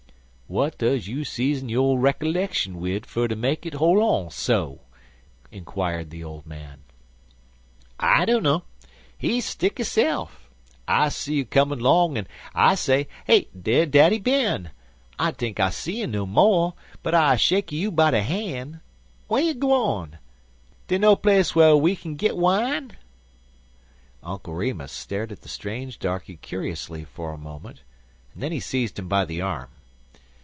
"W'at does you season your recollection wid fer ter make it hol' on so?" inquired the old man. "I dunno. He stick hese'f. I see you comin' 'long 'n I say 'Dey Daddy Ben.' I tink I see you no mo', an' I shaky you by de han'. Wey you gwan? Dey no place yer wey we git wine?" Uncle Remus stared at the strange darkey curiously for a moment, and then he seized him by the arm.